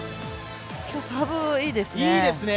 今日、サーブがいいですね。